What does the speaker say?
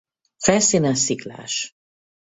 Felszíne sziklás.